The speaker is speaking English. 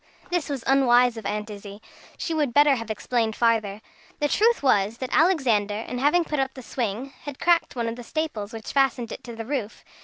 This was unwise of Aunt Izzie. She would better have explained farther. The truth was, that Alexander, in putting up the swing, had cracked one of the staples which fastened it to the roof.